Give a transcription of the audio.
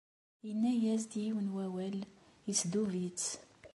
Inna-yas-d yiwen n wawal, isdub-itt.